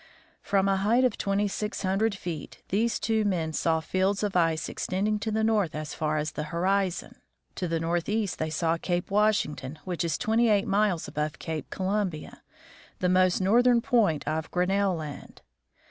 From a height of twenty six hundred feet these two men saw fields of ice extending to the north as far as the hori zon. To the northeast they saw Cape Washington, which is twenty eight miles above Cape Columbia, the most northern point of Grinnell land.